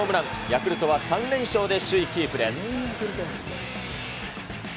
ヤクルトは３連勝で首位キープです。